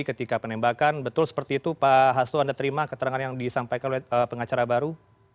ketika penembakan betul seperti itu pak hasto anda terima keterangan yang disampaikan oleh pengacara baru